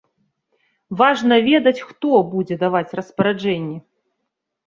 Важна ведаць, хто будзе даваць распараджэнні.